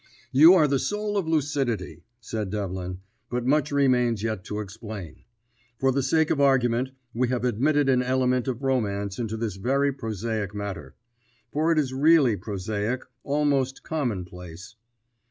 "You are the soul of lucidity," said Devlin, "but much remains yet to explain. For the sake of argument we have admitted an element of romance into this very prosaic matter; for it is really prosaic, almost commonplace.